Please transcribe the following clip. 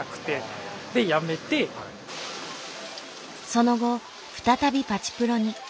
その後再びパチプロに。